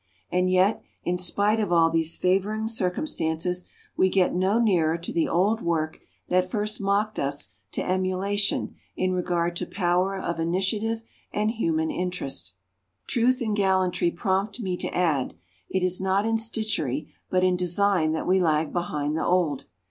And yet, in spite of all these favouring circumstances, we get no nearer to the old work that first mocked us to emulation in regard to power of initiative and human interest. Truth and gallantry prompt me to add, it is not in stitchery but in design that we lag behind the old.